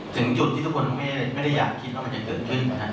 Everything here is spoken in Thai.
ถึงจุดที่ทุกคนสมัยไม่ได้อยากคิดว่ามันจะกึดขึ้น